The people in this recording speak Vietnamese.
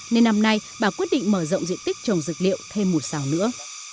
nên năm nay bà quyết định mở rộng diện tích trồng dược liệu thêm một xào nữa